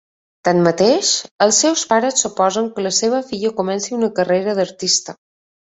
Tanmateix, els seus pares s'oposen que la seva filla comenci una carrera d’artista.